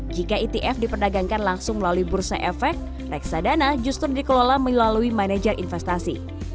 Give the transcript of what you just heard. jika etf diperdagangkan langsung melalui bursa efek reksadana justru dikelola melalui manajer investasi